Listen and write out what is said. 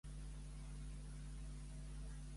Els Països Catalans acullen menys d'un miler de refugiats.